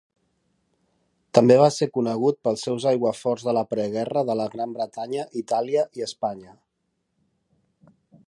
També va ser conegut pels seus aiguaforts de la preguerra de la Gran Bretanya, Itàlia i Espanya.